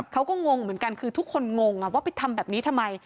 งงเหมือนกันคือทุกคนงงว่าไปทำแบบนี้ทำไม